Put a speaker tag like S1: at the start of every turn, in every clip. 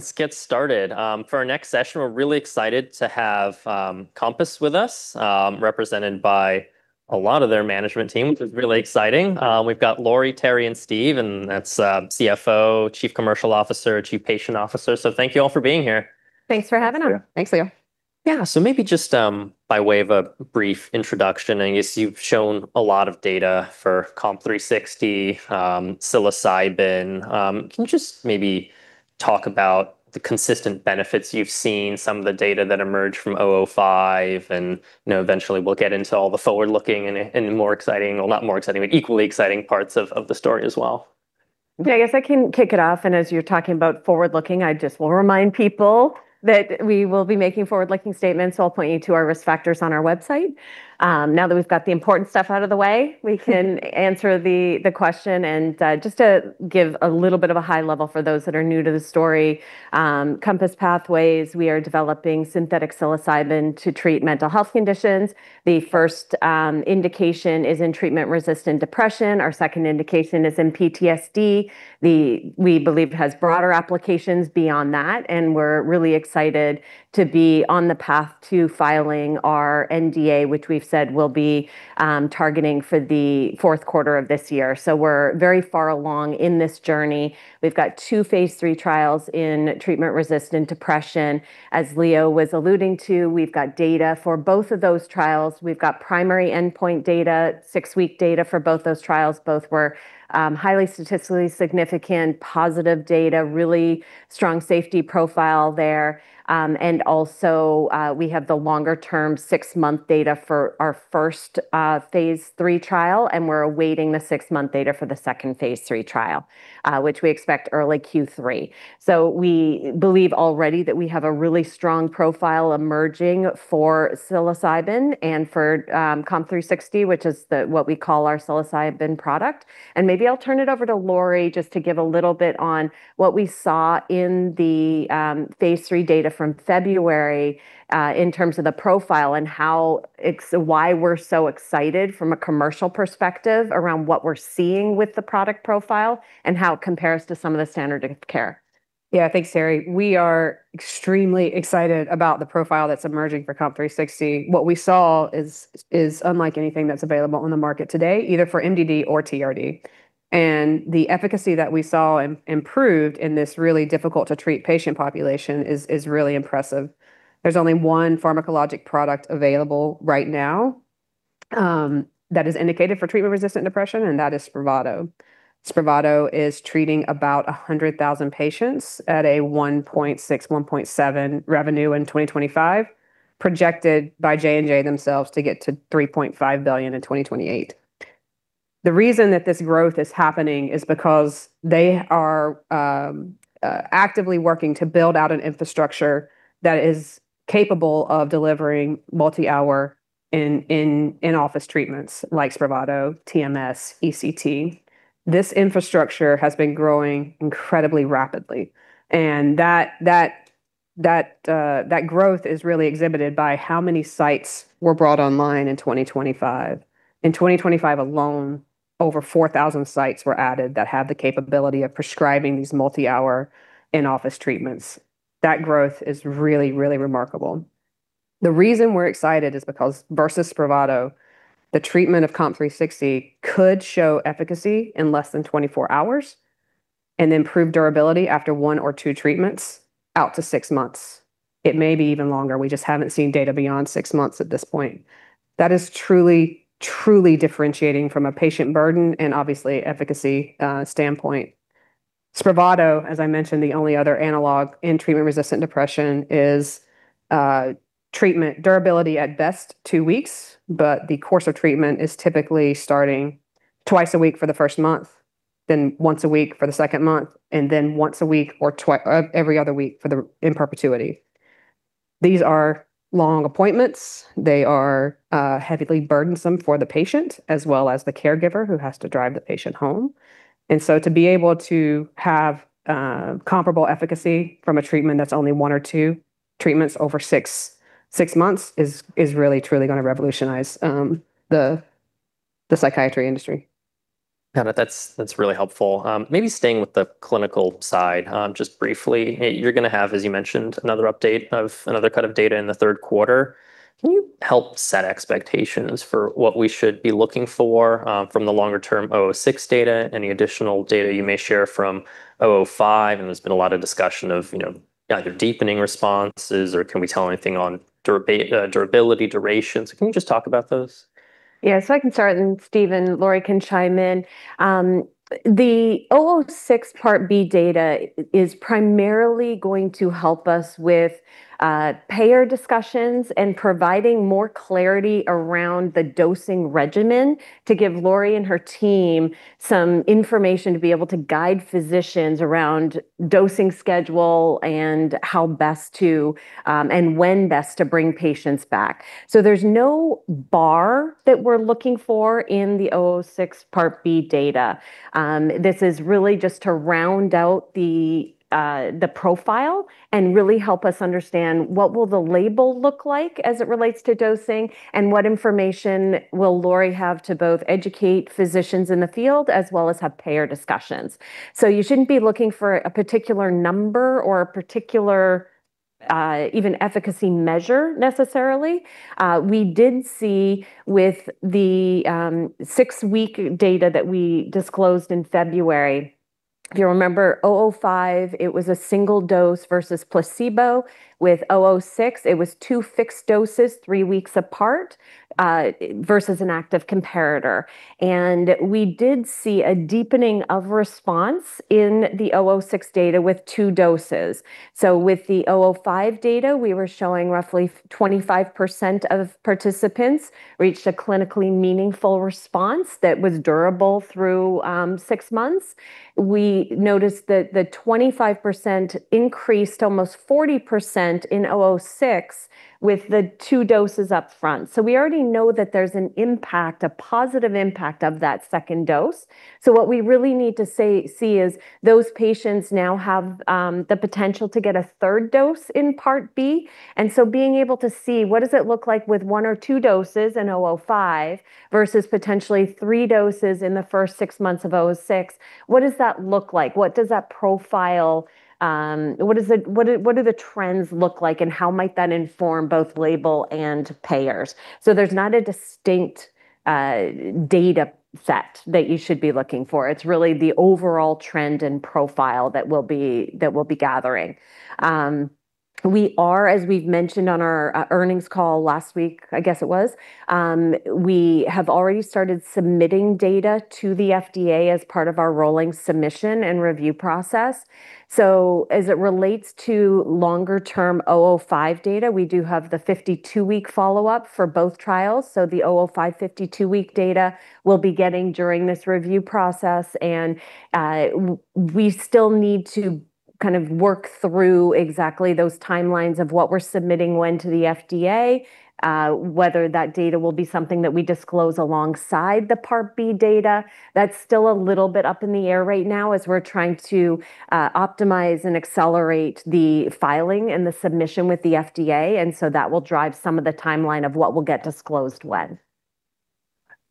S1: Let's get started. For our next session, we're really excited to have COMPASS with us, represented by a lot of their management team, which is really exciting. We've got Lori, Teri, and Steve, and that's CFO, Chief Commercial Officer, Chief Patient Officer. Thank you all for being here.
S2: Thanks for having us.
S3: Yeah. Thanks, Leo.
S1: Yeah. Maybe just by way of a brief introduction, I guess you've shown a lot of data for COMP360 psilocybin. Can you just maybe talk about the consistent benefits you've seen, some of the data that emerged from COMP005 and, you know, eventually we'll get into all the forward-looking and more exciting well, not more exciting, but equally exciting parts of the story as well?
S2: Yeah. I guess I can kick it off. As you're talking about forward-looking, I just will remind people that we will be making forward-looking statements, so I'll point you to our risk factors on our website. Now that we've got the important stuff out of the way, we can answer the question. Just to give a little bit of a high level for those that are new to the story, COMPASS Pathways, we are developing synthetic psilocybin to treat mental health conditions. The first indication is in treatment-resistant depression. Our second indication is in PTSD. We believe it has broader applications beyond that, we're really excited to be on the path to filing our NDA, which we've said we'll be targeting for the fourth quarter of this year. We're very far along in this journey. We've got two phase III trials in treatment-resistant depression. As Leo was alluding to, we've got data for both of those trials. We've got primary endpoint data, six-week data for both those trials. Both were highly statistically significant, positive data, really strong safety profile there. Also, we have the longer term six-month data for our first phase III trial, and we're awaiting the six-month data for the second phase III trial, which we expect early Q3. We believe already that we have a really strong profile emerging for psilocybin and for COMP360, which is the, what we call our psilocybin product. Maybe I'll turn it over to Lori just to give a little bit on what we saw in the phase III data from February in terms of the profile and why we're so excited from a commercial perspective around what we're seeing with the product profile and how it compares to some of the standard of care.
S3: Thanks, Teri. We are extremely excited about the profile that's emerging for COMP360. What we saw is unlike anything that's available on the market today, either for MDD or TRD. The efficacy that we saw improved in this really difficult to treat patient population is really impressive. There's only one pharmacologic product available right now that is indicated for treatment-resistant depression, and that is SPRAVATO. SPRAVATO is treating about 100,000 patients at a $1.6 billion, $1.7 billion revenue in 2025, projected by J&J themselves to get to $3.5 billion in 2028. The reason that this growth is happening is because they are actively working to build out an infrastructure that is capable of delivering multi-hour in-office treatments like SPRAVATO, TMS, ECT. This infrastructure has been growing incredibly rapidly, that growth is really exhibited by how many sites were brought online in 2025. In 2025 alone, over 4,000 sites were added that have the capability of prescribing these multi-hour in-office treatments. That growth is really remarkable. The reason we're excited is because versus SPRAVATO, the treatment of COMP360 could show efficacy in less than 24 hours and improve durability after one or two treatments out to six months. It may be even longer. We just haven't seen data beyond six months at this point. That is truly differentiating from a patient burden and obviously efficacy standpoint. SPRAVATO, as I mentioned, the only other analog in treatment-resistant depression is treatment durability at best two weeks, but the course of treatment is typically starting twice a week for the first month, then once a week for the second month, once a week or every other week for the, in perpetuity. These are long appointments. They are heavily burdensome for the patient as well as the caregiver who has to drive the patient home. To be able to have comparable efficacy from a treatment that's only one or two treatments over six months is really truly gonna revolutionize the psychiatry industry.
S1: Yeah. That's really helpful. Maybe staying with the clinical side, just briefly, you're going to have, as you mentioned, another update of another cut of data in the third quarter. Can you help set expectations for what we should be looking for from the longer term COMP006 data? Any additional data you may share from COMP005? There's been a lot of discussion of, you know, either deepening responses or can we tell anything on durability durations. Can you just talk about those?
S2: Yeah. I can start, and Steve and Lori can chime in. The COMP006 Part B data is primarily going to help us with payer discussions and providing more clarity around the dosing regimen to give Lori and her team some information to be able to guide physicians around dosing schedule and how best to and when best to bring patients back. There's no bar that we're looking for in the COMP006 Part B data. This is really just to round out the profile and really help us understand what will the label look like as it relates to dosing, and what information will Lori have to both educate physicians in the field as well as have payer discussions. You shouldn't be looking for a particular number or a particular even efficacy measure necessarily. We did see with the six-week data that we disclosed in February. If you remember COMP005, it was a single dose versus placebo. With COMP006, it was two fixed doses three weeks apart versus an active comparator. We did see a deepening of response in the COMP006 data with two doses. With the COMP005 data, we were showing roughly 25% of participants reached a clinically meaningful response that was durable through six months. We noticed that the 25% increased almost 40% in COMP006 with the two doses up front. We already know that there's an impact, a positive impact of that second dose. What we really need to see is those patients now have the potential to get a third dose in Part B. Being able to see what does it look like with one or two doses in COMP005 versus potentially three doses in the first six months of COMP006, what does that look like? What does that profile, what do the trends look like, and how might that inform both label and payers? There's not a distinct data set that you should be looking for. It's really the overall trend and profile that we'll be gathering. We are, as we've mentioned on our earnings call last week, I guess it was, we have already started submitting data to the FDA as part of our rolling submission and review process. As it relates to longer-term COMP005 data, we do have the 52-week follow-up for both trials. The COMP005 52-week data we'll be getting during this review process, and we still need to kind of work through exactly those timelines of what we're submitting when to the FDA, whether that data will be something that we disclose alongside the Part B data. That's still a little bit up in the air right now as we're trying to optimize and accelerate the filing and the submission with the FDA. That will drive some of the timeline of what will get disclosed when.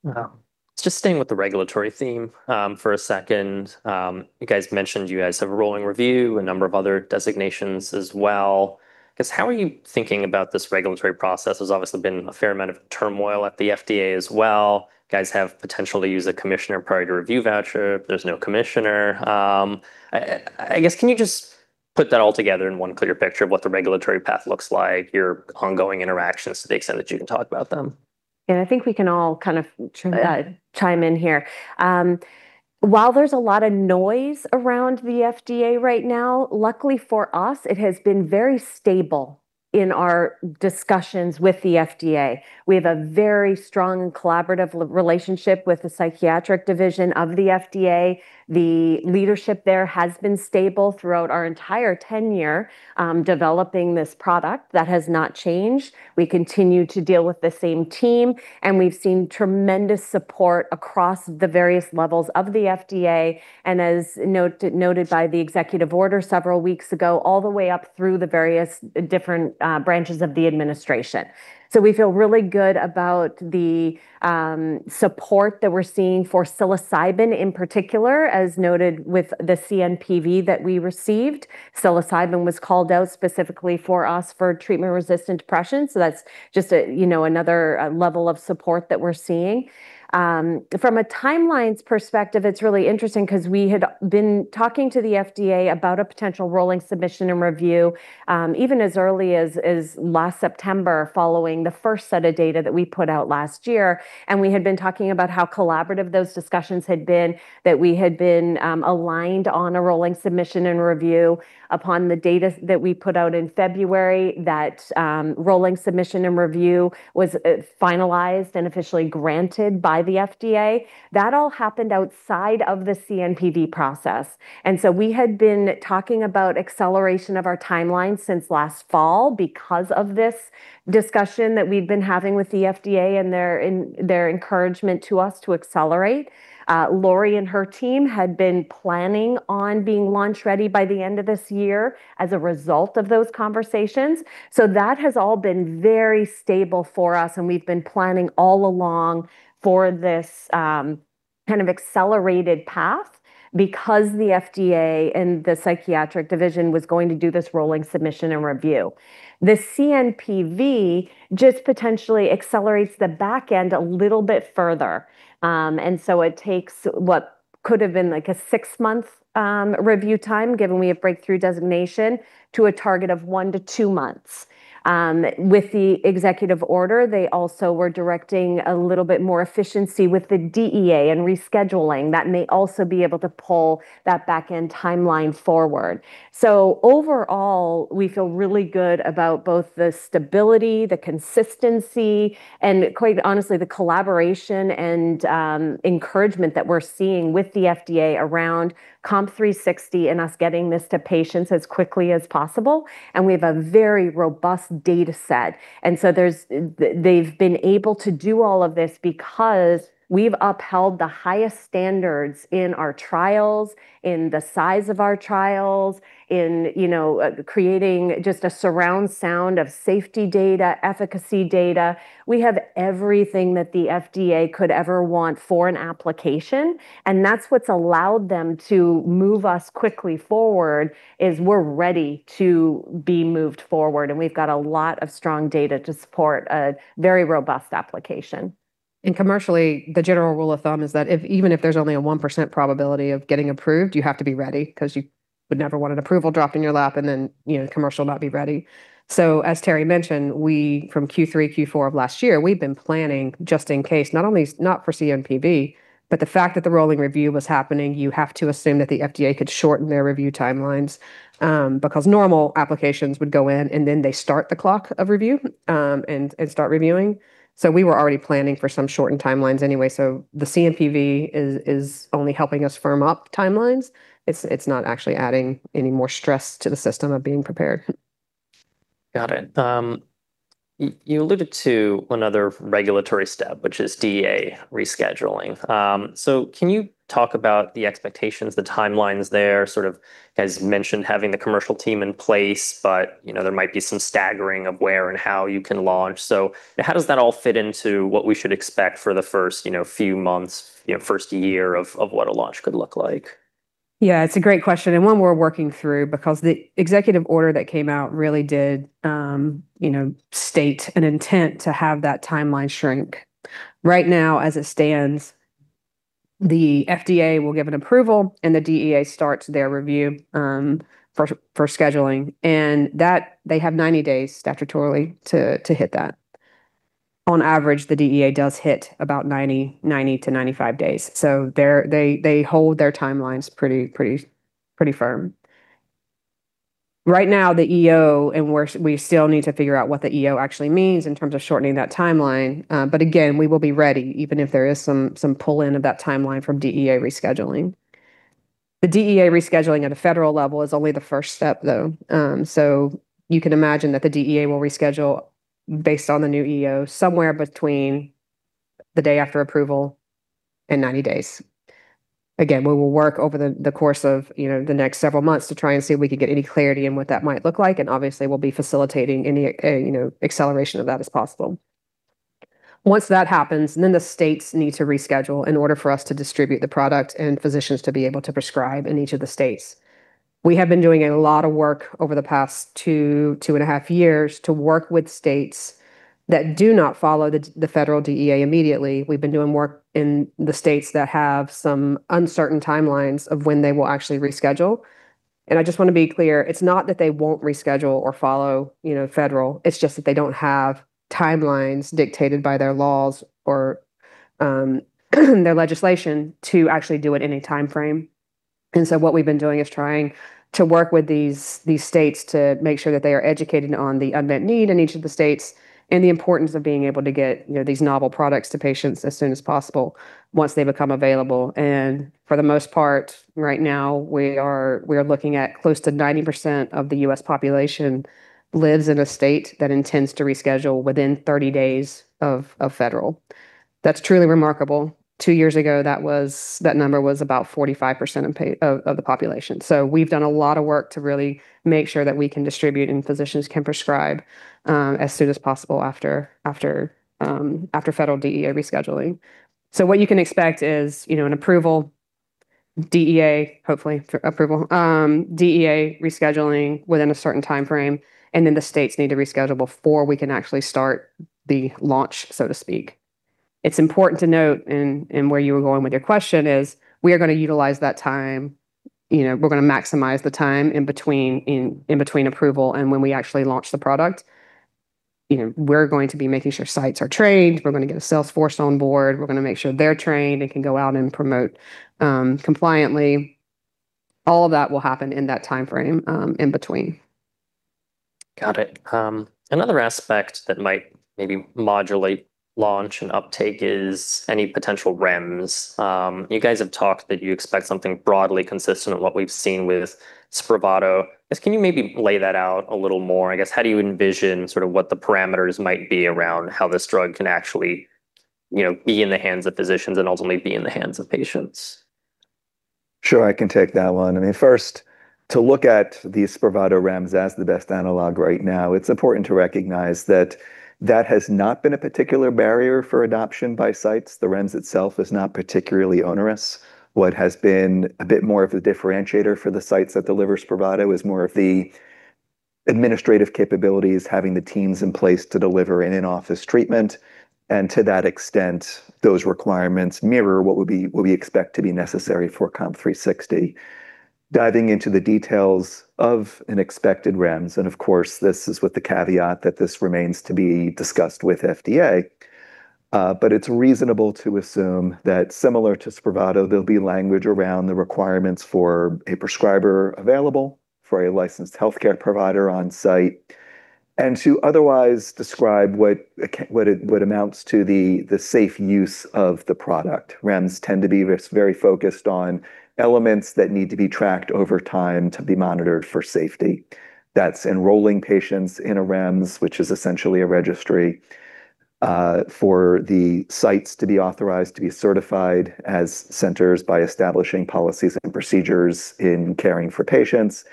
S1: Wow. Just staying with the regulatory theme for a second. You guys mentioned you guys have a rolling review, a number of other designations as well. I guess, how are you thinking about this regulatory process? There's obviously been a fair amount of turmoil at the FDA as well. You guys have potential to use a Commissioner's Priority Review Voucher. There's no commissioner. I guess, can you just put that all together in one clear picture of what the regulatory path looks like, your ongoing interactions to the extent that you can talk about them?
S2: Yeah, I think we can all
S3: Yeah.
S2: chime in here. While there's a lot of noise around the FDA right now, luckily for us, it has been very stable in our discussions with the FDA. We have a very strong collaborative relationship with the psychiatric division of the FDA. The leadership there has been stable throughout our entire tenure developing this product. That has not changed. We continue to deal with the same team, and we've seen tremendous support across the various levels of the FDA, and as noted by the executive order several weeks ago, all the way up through the various different branches of the administration. We feel really good about the support that we're seeing for psilocybin in particular, as noted with the CNPV that we received. Psilocybin was called out specifically for us for treatment-resistant depression, that's just a, you know, another level of support that we're seeing. From a timelines perspective, it's really interesting because we had been talking to the FDA about a potential rolling submission and review, even as early as last September following the first set of data that we put out last year. We had been talking about how collaborative those discussions had been, that we had been aligned on a rolling submission and review upon the data that we put out in February, that rolling submission and review was finalized and officially granted by the FDA. That all happened outside of the CNPV process. We had been talking about acceleration of our timeline since last fall because of this discussion that we've been having with the FDA and their encouragement to us to accelerate. Lori and her team had been planning on being launch-ready by the end of this year as a result of those conversations. That has all been very stable for us, and we've been planning all along for this kind of accelerated path because the FDA and the psychiatric division was going to do this rolling submission and review. The CNPV just potentially accelerates the back end a little bit further. It takes what could have been like a six-month review time, given we have Breakthrough Therapy designation, to a target of one to two months. With the executive order, they also were directing a little bit more efficiency with the DEA and rescheduling. That may also be able to pull that back-end timeline forward. Overall, we feel really good about both the stability, the consistency, and quite honestly, the collaboration and encouragement that we're seeing with the FDA around COMP360 and us getting this to patients as quickly as possible. We have a very robust data set. They've been able to do all of this because we've upheld the highest standards in our trials, in the size of our trials, in, you know, creating just a surround sound of safety data, efficacy data. We have everything that the FDA could ever want for an application. That's what's allowed them to move us quickly forward, is we're ready to be moved forward. We've got a lot of strong data to support a very robust application.
S3: Commercially, the general rule of thumb is that if even if there's only a 1% probability of getting approved, you have to be ready because you would never want an approval drop in your lap and then, you know, commercial not be ready. As Teri mentioned, we from Q3, Q4 of last year, we've been planning just in case, not only not for CNPV, but the fact that the rolling review was happening, you have to assume that the FDA could shorten their review timelines, because normal applications would go in, and then they start the clock of review, and start reviewing. So, we were already planning for some shorten timeline anyway. The CNPV is only helping us firm up timelines. It's not actually adding any more stress to the system of being prepared.
S1: Got it. You alluded to another regulatory step, which is DEA rescheduling. Can you talk about the expectations, the timelines there sort of as mentioned, having the commercial team in place, but, you know, there might be some staggering of where and how you can launch? How does that all fit into what we should expect for the first, you know, few months, you know, first year of what a launch could look like?
S3: Yeah, it's a great question, and one we're working through because the executive order that came out really did, you know, state an intent to have that timeline shrink. Right now, as it stands, the FDA will give an approval, and the DEA starts their review for scheduling, and that they have 90 days statutorily to hit that. On average, the DEA does hit about 90-95 days. They hold their timelines pretty firm. Right now, the EO and we still need to figure out what the EO actually means in terms of shortening that timeline. Again, we will be ready even if there is some pull in of that timeline from DEA rescheduling. The DEA rescheduling at a federal level is only the first step, though. You can imagine that the DEA will reschedule based on the new EO somewhere between the day after approval and 90 days. Again, we will work over the course of, you know, the next several months to try and see if we can get any clarity in what that might look like, and obviously we'll be facilitating any, you know, acceleration of that as possible. Once that happens, the states need to reschedule in order for us to distribute the product and physicians to be able to prescribe in each of the states. We have been doing a lot of work over the past two and a half years to work with states that do not follow the federal DEA immediately. We've been doing work in the states that have some uncertain timelines of when they will actually reschedule. I just want to be clear, it's not that they won't reschedule or follow, you know, federal, it's just that they don't have timelines dictated by their laws or their legislation to actually do it in a timeframe. What we've been doing is trying to work with these states to make sure that they are educated on the unmet need in each of the states and the importance of being able to get, you know, these novel products to patients as soon as possible once they become available. For the most part, right now, we are looking at close to 90% of the U.S. population lives in a state that intends to reschedule within 30 days of federal. That's truly remarkable. Two years ago, that number was about 45% of the population. We've done a lot of work to really make sure that we can distribute and physicians can prescribe, as soon as possible after federal DEA rescheduling. What you can expect is, you know, an approval, DEA, hopefully approval, DEA rescheduling within a certain time frame, and then the states need to reschedule before we can actually start the launch, so to speak. It's important to note in where you were going with your question is, we are going to utilize that time. You know, we're going to maximize the time in between approval and when we actually launch the product. You know, we're going to be making sure sites are trained, we're going to get a sales force on board, we're going to make sure they're trained and can go out and promote compliantly. All of that will happen in that timeframe, in between.
S1: Got it. Another aspect that might maybe modulate launch and uptake is any potential REMS. You guys have talked that you expect something broadly consistent of what we've seen with SPRAVATO. Can you maybe lay that out a little more? I guess, how do you envision sort of what the parameters might be around how this drug can actually, you know, be in the hands of physicians and ultimately be in the hands of patients?
S4: Sure, I can take that one. I mean, first, to look at the SPRAVATO REMS as the best analog right now, it's important to recognize that that has not been a particular barrier for adoption by sites. The REMS itself is not particularly onerous. What has been a bit more of a differentiator for the sites that deliver SPRAVATO is more of the administrative capabilities, having the teams in place to deliver an in-office treatment. And to that extent, those requirements mirror what we expect to be necessary for COMP360. Diving into the details of an expected REMS, and of course, this is with the caveat that this remains to be discussed with FDA, but it's reasonable to assume that similar to SPRAVATO, there'll be language around the requirements for a prescriber available for a licensed healthcare provider on site, and to otherwise describe what amounts to the safe use of the product. REMS tend to be very focused on elements that need to be tracked over time to be monitored for safety. That's enrolling patients in a REMS, which is essentially a registry, for the sites to be authorized to be certified as centers by establishing policies and procedures in caring for patients,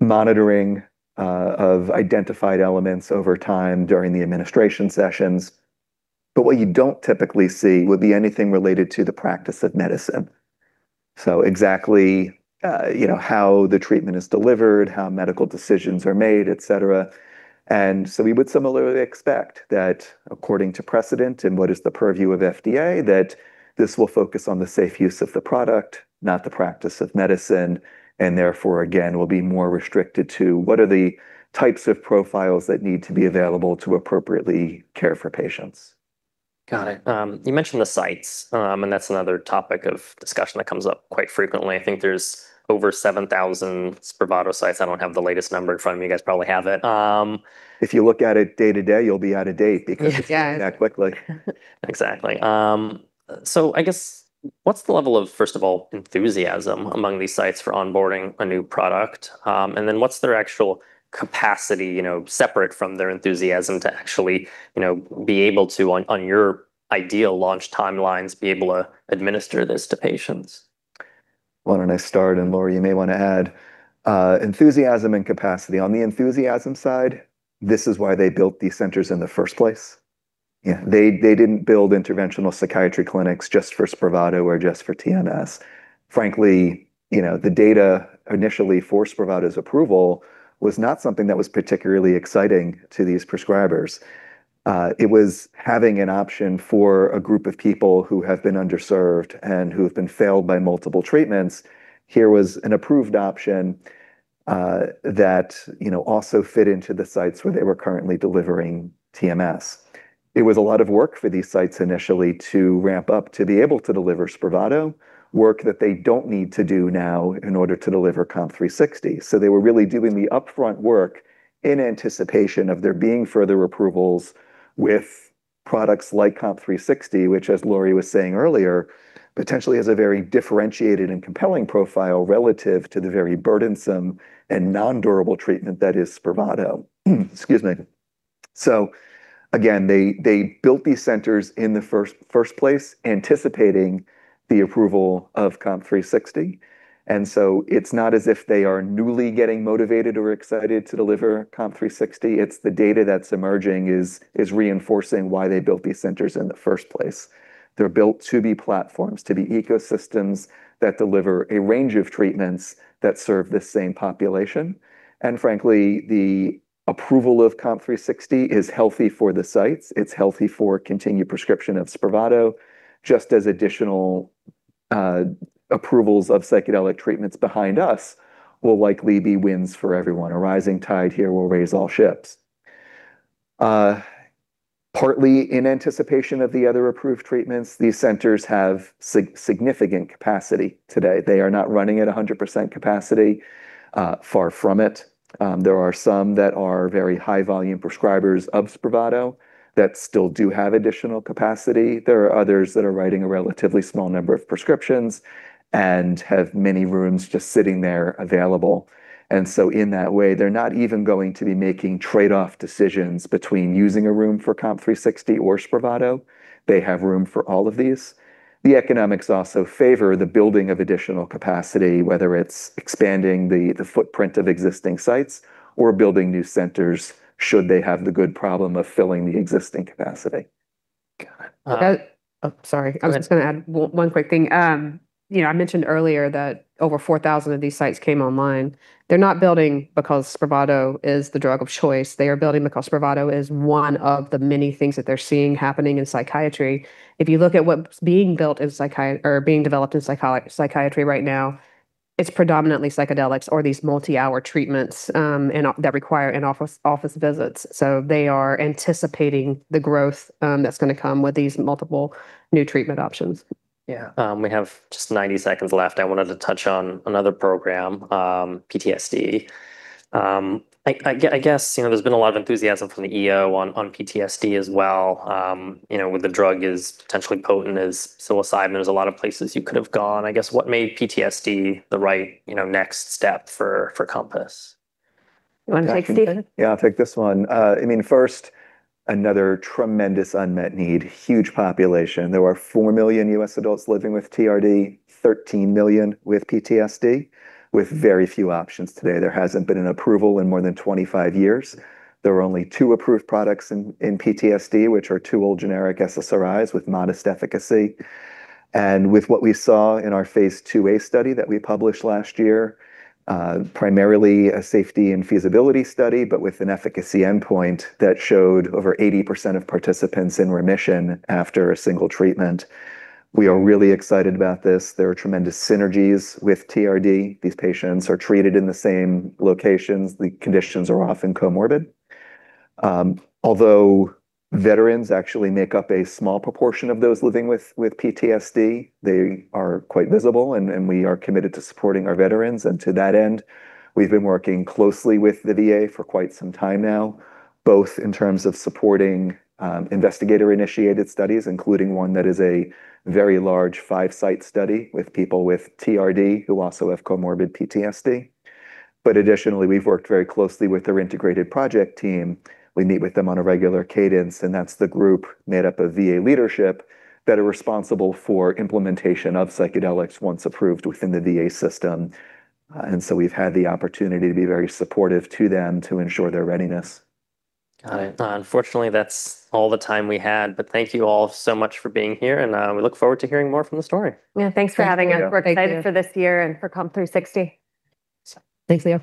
S4: monitoring of identified elements over time during the administration sessions. What you don't typically see would be anything related to the practice of medicine. Exactly, you know, how the treatment is delivered, how medical decisions are made, et cetera. We would similarly expect that according to precedent and what is the purview of FDA, that this will focus on the safe use of the product, not the practice of medicine, and therefore, again, will be more restricted to what are the types of profiles that need to be available to appropriately care for patients.
S1: Got it. You mentioned the sites, that's another topic of discussion that comes up quite frequently. I think there's over 7,000 SPRAVATO sites. I don't have the latest number in front of me. You guys probably have it.
S4: If you look at it day to day, you'll be out of date because
S3: Yeah.
S4: it's changing that quickly.
S3: Exactly.
S1: I guess what's the level of, first of all, enthusiasm among these sites for onboarding a new product, and then what's their actual capacity, you know, separate from their enthusiasm to actually, you know, be able to on your ideal launch timelines, be able to administer this to patients?
S4: Why don't I start, Lori, you may want to add? Enthusiasm and capacity. On the enthusiasm side, this is why they built these centers in the first place.
S1: Yeah.
S4: They didn't build interventional psychiatry clinics just for SPRAVATO or just for TMS. Frankly, you know, the data initially for SPRAVATO's approval was not something that was particularly exciting to these prescribers. It was having an option for a group of people who have been underserved and who have been failed by multiple treatments. Here was an approved option that, you know, also fit into the sites where they were currently delivering TMS. It was a lot of work for these sites initially to ramp up to be able to deliver SPRAVATO, work that they don't need to do now in order to deliver COMP360. They were really doing the upfront work in anticipation of there being further approvals with products like COMP360, which as Lori was saying earlier, potentially has a very differentiated and compelling profile relative to the very burdensome and non-durable treatment that is SPRAVATO. Excuse me. Again, they built these centers in the first place anticipating the approval of COMP360, it's not as if they are newly getting motivated or excited to deliver COMP360. It's the data that's emerging is reinforcing why they built these centers in the first place. They're built to be platforms, to be ecosystems that deliver a range of treatments that serve the same population. Frankly, the approval of COMP360 is healthy for the sites. It's healthy for continued prescription of SPRAVATO, just as additional approvals of psychedelic treatments behind us will likely be wins for everyone. A rising tide here will raise all ships. Partly in anticipation of the other approved treatments, these centers have significant capacity today. They are not running at 100% capacity. Far from it. There are some that are very high volume prescribers of SPRAVATO that still do have additional capacity. There are others that are writing a relatively small number of prescriptions and have many rooms just sitting there available. In that way, they're not even going to be making trade-off decisions between using a room for COMP360 or SPRAVATO. They have room for all of these. The economics also favor the building of additional capacity, whether it's expanding the footprint of existing sites or building new centers should they have the good problem of filling the existing capacity.
S1: Got it.
S3: Oh, sorry.
S1: Go ahead.
S3: I was just gonna add one quick thing. You know, I mentioned earlier that over 4,000 of these sites came online. They're not building because SPRAVATO is the drug of choice. They are building because SPRAVATO is one of the many things that they're seeing happening in psychiatry. If you look at what's being built in psychiatry right now, it's predominantly psychedelics or these multi-hour treatments that require in-office visits. They are anticipating the growth that's gonna come with these multiple new treatment options.
S1: Yeah. We have just 90 seconds left. I wanted to touch on another program, PTSD. I guess, you know, there's been a lot of enthusiasm from the EO on PTSD as well. You know, with the drug is potentially potent as psilocybin, there's a lot of places you could have gone. I guess what made PTSD the right, you know, next step for COMPASS?
S3: You want to take it, Steve?
S4: Yeah, I'll take this one. I mean, first, another tremendous unmet need. Huge population. There are 4 million U.S. adults living with TRD, 13 million with PTSD, with very few options today. There hasn't been an approval in more than 25 years. There are only two approved products in PTSD, which are two old generic SSRIs with modest efficacy. With what we saw in our phase II-A study that we published last year, primarily a safety and feasibility study, but with an efficacy endpoint that showed over 80% of participants in remission after a single treatment. We are really excited about this. There are tremendous synergies with TRD. These patients are treated in the same locations. The conditions are often comorbid. Although veterans actually make up a small proportion of those living with PTSD, they are quite visible and we are committed to supporting our veterans, and to that end, we've been working closely with the VA for quite some time now, both in terms of supporting investigator-initiated studies, including one that is a very large five-site study with people with TRD who also have comorbid PTSD. Additionally, we've worked very closely with their integrated project team. We meet with them on a regular cadence, and that's the group made up of VA leadership that are responsible for implementation of psychedelics once approved within the VA system. We've had the opportunity to be very supportive to them to ensure their readiness.
S1: Got it. Unfortunately, that's all the time we had, but thank you all so much for being here and, we look forward to hearing more from the story.
S2: Yeah, thanks for having us.
S4: Thank you.
S2: We're excited for this year and for COMP360.
S1: So-
S3: Thanks, Leo.